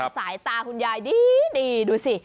สายตาคุณยายดีดูสิ